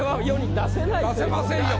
出せませんよ